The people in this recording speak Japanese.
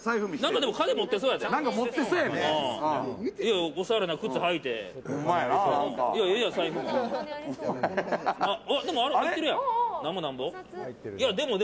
でも金持ってそうやで。